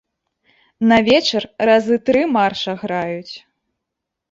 На вечар разы тры марша граюць.